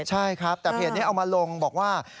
ใช่ครับแต่เพจนี้เอามาลงบอกว่า